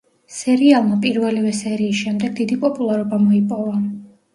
სერიალმა პირველივე სერიის შემდეგ დიდი პოპულარობა მოიპოვა.